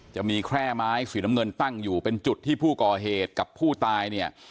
จะมีแคร่ไม้สีน้ำเงินตั้งอยู่เป็นจุดที่ผู้ก่อเหตุกับผู้ตายเนี่ย